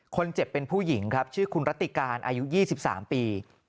คนเจ็บเป็นผู้หญิงครับชื่อคุณรัติการอายุ๒๓ปี